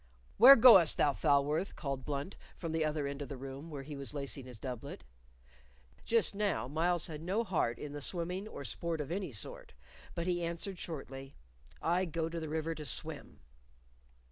"Where goest thou, Falworth?" called Blunt from the other end of the room, where he was lacing his doublet. Just now Myles had no heart in the swimming or sport of any sort, but he answered, shortly, "I go to the river to swim."